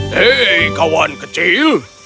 hei kawan kecil